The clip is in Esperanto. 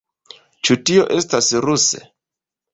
Ĉu tio estas ruse?